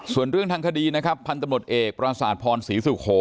ส่วนเรื่องทางคดีนะครับพันธมดเอกปราสาทพรศรีศุโข